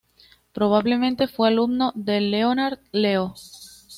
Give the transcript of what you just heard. Probablemente fue alumno de Leonard Leo.